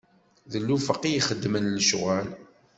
D lufeq i yexeddmen lecɣwal.